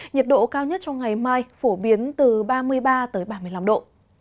nhiệt độ cao nhất trong ngày mai phổ biến từ ba mươi ba ba mươi năm độ